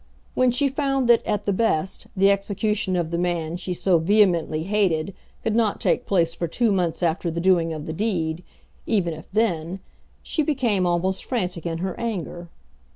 When she found that, at the best, the execution of the man she so vehemently hated could not take place for two months after the doing of the deed, even if then, she became almost frantic in her anger.